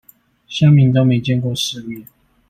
鄉民都沒見過世面